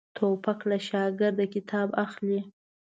توپک له شاګرده کتاب اخلي.